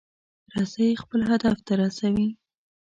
رسۍ خپل هدف ته رسوي.